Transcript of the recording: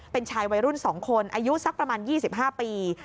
เป็นชายวัยรุ่น๒คนอายุสักประมาณ๒๕ปี